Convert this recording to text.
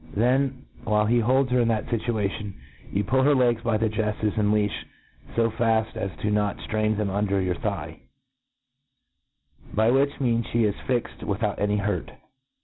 Then> while he holds her in that fituation, you puU her legs by the jeflfes and leafh fo faft as not to ftrsdn them under your thigh ; by which means ihe is jBzed with out any hurt.